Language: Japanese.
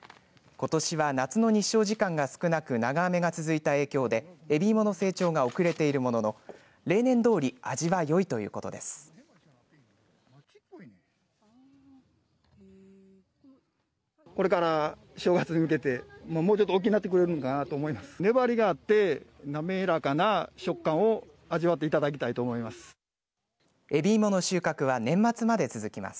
ことしは夏の日照時間が少なく長雨が続いた影響でえびいもの成長が遅れているものの例年どおり味はよいということです。